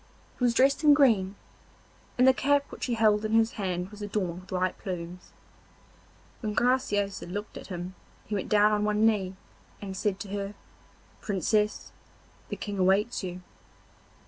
He was dressed in green, and the cap which he held in his hand was adorned with white plumes. When Graciosa looked at him he went down on one knee, and said to her: 'Princess, the King awaits you.